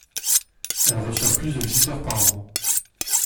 Elle reçoit plus de visiteurs par an.